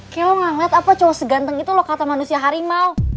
kayaknya kau tidak melihat apa cowok seganteng itu kata manusia harimau